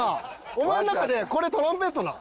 お前の中でこれトランペットなん？